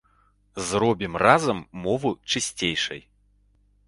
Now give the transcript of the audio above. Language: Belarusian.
Зробім разам мову чысцейшай!